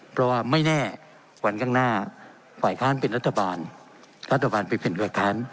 เพราะว่าไม่แน่วันข้างหน้าฝ่ายค้านเป็นรัฐบาลรัฐบาลไปเป็นฝ่ายค้าน